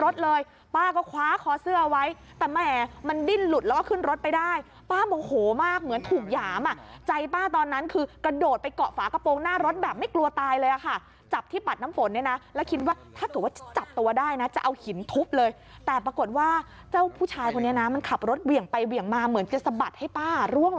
รถเลยป้าก็คว้าคอเสื้อไว้แต่แหมมันดิ้นหลุดแล้วก็ขึ้นรถไปได้ป้าโมโหมากเหมือนถูกหยามอ่ะใจป้าตอนนั้นคือกระโดดไปเกาะฝากระโปรงหน้ารถแบบไม่กลัวตายเลยอะค่ะจับที่ปัดน้ำฝนเนี่ยนะแล้วคิดว่าถ้าเกิดว่าจับตัวได้นะจะเอาหินทุบเลยแต่ปรากฏว่าเจ้าผู้ชายคนนี้นะมันขับรถเหวี่ยงไปเหวี่ยงมาเหมือนจะสะบัดให้ป้าร่วง